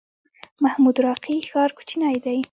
محمود راقي ښار کوچنی دی؟